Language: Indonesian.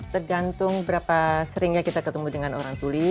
tergantung berapa seringnya kita ketemu dengan orang tuli